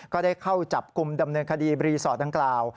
ก็ได้เข้าจับกลุ่มดำเนินคดีรีสอร์ทดังกล่าว